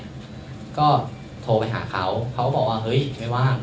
แล้วก็โทรไปหาเขาเขาบอกว่าเฮ้ยไม่ว่าง